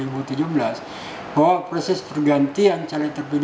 bahwa proses pergantian caleg terpilih